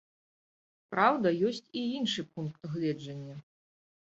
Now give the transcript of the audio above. Праўда, ёсць і іншы пункт гледжання.